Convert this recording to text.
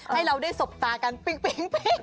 ให้เราได้สบตากันปิ๊ง